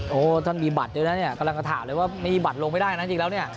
ตอนนี้มีบัตรด้วยนะจะถามว่ามีบัตรลงไม่ได้นะ